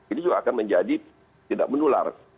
ini juga akan menjadi tidak menular